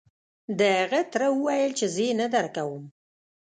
د هغه تره وويل چې زه يې نه درکوم.